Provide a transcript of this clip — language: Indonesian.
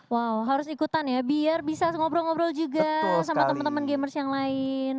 wow harus ikutan ya biar bisa ngobrol ngobrol juga sama teman teman gamers yang lain